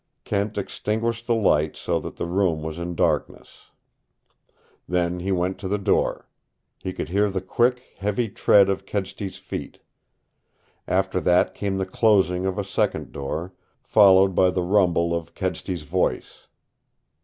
Kent extinguished the light so that the room was in darkness. Then he went to the door. He could hear the quick, heavy tread of Kedsty's feet After that came the closing of a second door, followed by the rumble of Kedsty's voice.